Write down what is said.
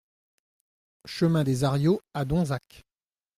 Chemin des Ariaux à Donzac